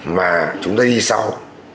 mà chúng ta đi sau